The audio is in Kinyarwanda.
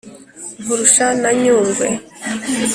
Nkurusha na Nyungwe,